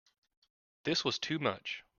This was too much.